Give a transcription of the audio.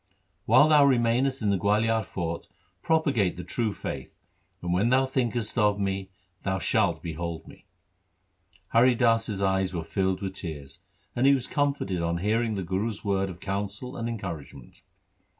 4 'While thou remainest in the Gualiar fort propagate the true faith, and, when thou thinkest of me, thou shalt behold me.' Hari Das's eyes were filled with tears, but he was comforted on hearing the Guru's words of counsel and encouragement.